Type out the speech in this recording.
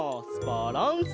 バランス！